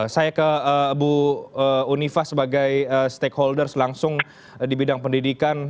saya ke bu unifah sebagai stakeholders langsung di bidang pendidikan